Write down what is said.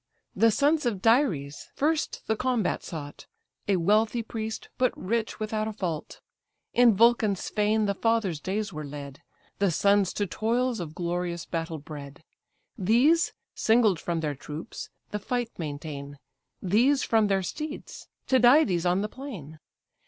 The sons of Dares first the combat sought, A wealthy priest, but rich without a fault; In Vulcan's fane the father's days were led, The sons to toils of glorious battle bred; These singled from their troops the fight maintain, These, from their steeds, Tydides on the plain.